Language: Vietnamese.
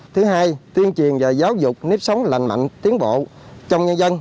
thứ hai tuyên truyền và giáo dục nếp sống lành mạnh tiến bộ trong nhân dân